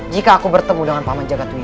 jika aku bertemu dengan paman jagadwira